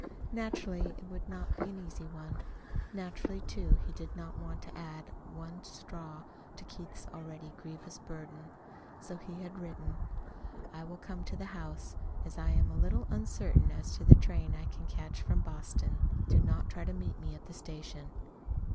Naturally it would not be an easy one. Naturally too, he did not want to add one straw to Keith's already grievous burden. So he had written: I will come to the house. As I am a little uncertain as to the train I can catch from Boston, do not try to meet me at the station.